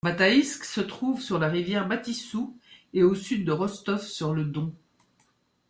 Bataïsk se trouve sur la rivière Batyssou, à au sud de Rostov-sur-le-Don.